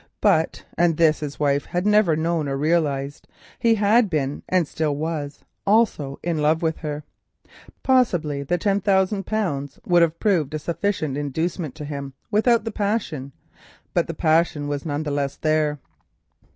But, and this his wife had never known or realised, he had been, and still was, also in love with her. Possibly the ten thousand pounds would have proved a sufficient inducement to him without the love, but the love was none the less there.